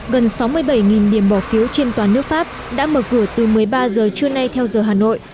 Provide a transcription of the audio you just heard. gần sáu mươi bảy điểm bỏ phiếu trên toàn nước pháp đã mở cửa từ một mươi ba giờ trưa nay theo giờ hà nội